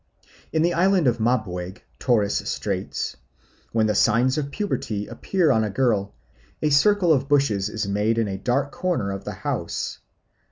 In the island of Mabuiag, Torres Straits, when the signs of puberty appear on a girl, a circle of bushes is made in a dark corner of the house.